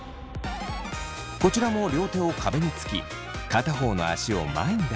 こちらも両手を壁につき片方の足を前に出します。